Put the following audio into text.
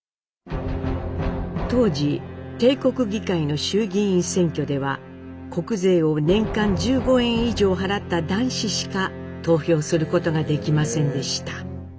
当時帝国議会の衆議院選挙では国税を年間１５円以上払った男子しか投票することができませんでした。